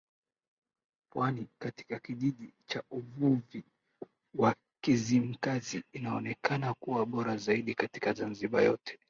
Pwani katika kijiji cha uvuvi wa Kizimkazi inaonekana kuwa bora zaidi katika Zanzibar yote